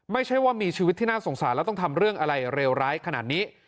ไม่ใช่ว่ามีชีวิตที่น่าสงสารแล้วต้องทำเรื่องอะไรเลวร้ายขนาดนี้